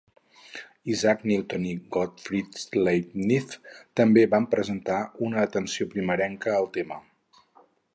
Isaac Newton i Gottfried Leibniz també van prestar una atenció primerenca al tema.